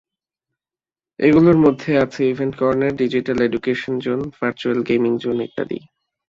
এগুলোর মধ্যে আছে event corner, digital education zone, virtual gaming zone ইত্যাদি।